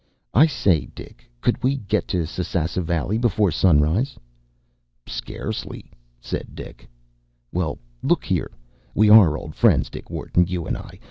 “I say, Dick, could we get to Sasassa Valley before sunrise?” “Scarcely,” said Dick. “Well, look here; we are old friends, Dick Wharton, you and I.